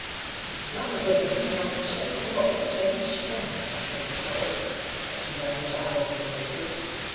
"Jonathan and he have the same look, the same swing," observed Joe, as he ran his eye over the major.